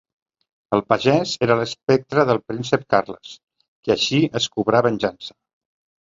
El pagès era l'espectre del príncep Carles, que així es cobrà venjança.